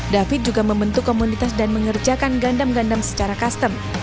david juga membentuk komunitas dan mengerjakan gandam gandam secara custom